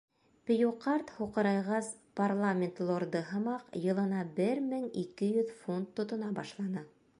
Пью ҡарт, һуҡырайғас, парламент лорды һымаҡ йылына бер мең ике йөҙ фунт тотона башланы.